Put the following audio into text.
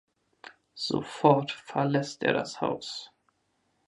Sofort verlässt der das Haus.